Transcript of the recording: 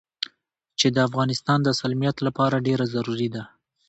چې د افغانستان د سالميت لپاره ډېره ضروري ده.